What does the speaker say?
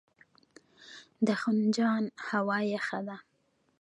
د خنجان هوا یخه ده